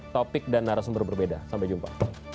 topik dan narasumber berbeda sampai jumpa